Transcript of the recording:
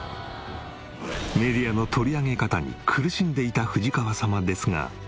メディアの取り上げ方に苦しんでいた藤川様ですが。